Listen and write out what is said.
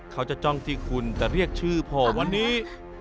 เขาจะจ้องที่คุณแต่เรียกชื่อพ่อวันนี้